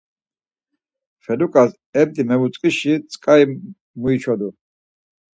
Feluǩas ebdi mevutzǩisi tzǩari muiçodu.